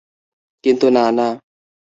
কিন্তু না, না।